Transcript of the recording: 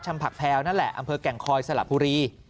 ผักแพลวนั่นแหละอำเภอแก่งคอยสลับบุรี